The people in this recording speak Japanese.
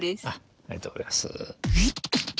ありがとうございます。